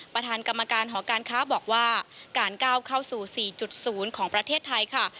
ประธานกรรมการหอการค้าบอกว่าการก้าวเข้าสู่๔๐ของประเทศไทยค่ะ